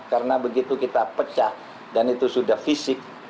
karena begitu kita pecah dan itu sudah fisik